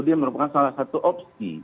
dia merupakan salah satu opsi